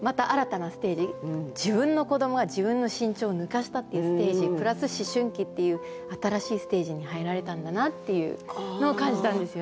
自分の子どもが自分の身長を抜かしたっていうステージプラス思春期っていう新しいステージに入られたんだなっていうのを感じたんですよね。